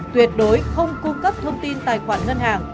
tuyệt đối không cung cấp thông tin tài khoản ngân hàng